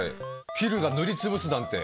ｆｉｌｌが塗りつぶすなんて。